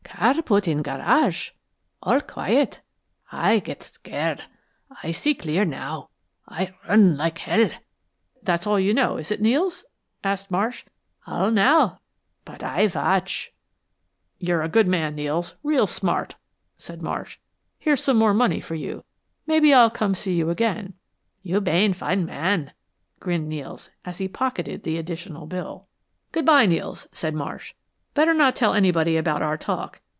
"Car put in gar rage all quiet. Aye get scared. Aye see clear now Aye run like hell!" "That's all you know, is it, Nels?" asked Marsh. "All now but Aye watch." "You're a good man, Nels real smart," said Marsh. "Here's some more money for you. Maybe I'll come to see you again." "You bane fine man," grinned Nels, as he pocketed the additional bill. "Good bye, Nels," said Marsh, "Better not tell anybody about our talk.